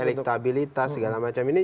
elektabilitas segala macam ini